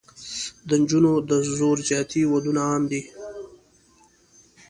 د نجونو د زور زیاتي ودونه عام دي.